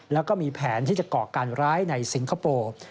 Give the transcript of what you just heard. แล้วก็มีแผนที่จะก่อการร้ายในสิงคโปร์